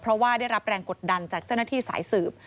เพราะว่าได้รับแรงกดดันจากเจ้าหน้าที่สายสืบ